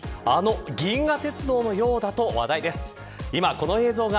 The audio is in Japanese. その光景にあの銀河鉄道のようだと話題です。